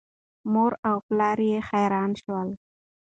مور او پلار یې حیران شول.